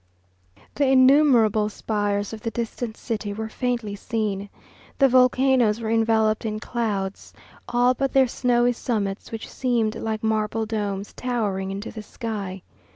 The innumerable spires of the distant city were faintly seen. The volcanoes were enveloped in clouds, all but their snowy summits, which seemed like marble domes towering into the sky.